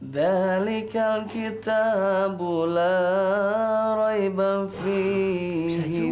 dhalikal kitabu laraiban fihi